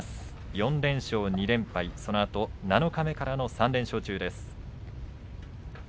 ４連勝、２連敗、そのあと七日目からの３連勝中です。